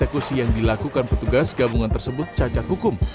eksekusi yang dilakukan petugas gabungan tersebut cacat hukum